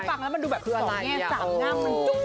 กับเพลงที่มีชื่อว่ากี่รอบก็ได้